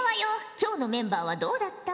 今日のメンバーはどうだった？